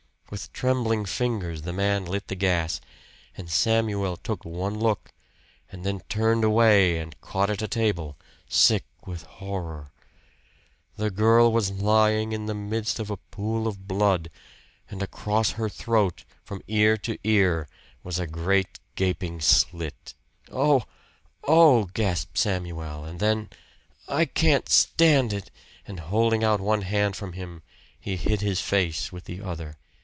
With trembling fingers the man lit the gas; and Samuel took one look, and then turned away and caught at a table, sick with horror. The girl was lying in the midst of a pool of blood; and across her throat, from ear to ear, was a great gaping slit. "Oh! oh!" gasped Samuel, and then "I can't stand it!" And holding out one hand from him, he hid his face with the other.